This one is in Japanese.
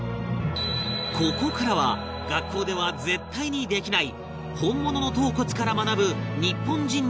ここからは学校では絶対にできない本物の頭骨から学ぶ日本人の歴史